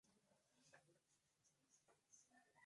Sebastián Pinilla nació en Santiago de Chile.